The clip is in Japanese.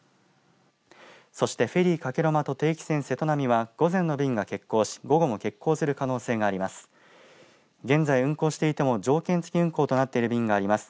そしてフェリーかけろまと定期船せとなみは午前の便が欠航し午後も欠航する可能性があります。